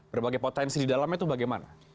berbagai potensi di dalamnya itu bagaimana